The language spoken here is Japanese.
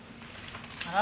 あら？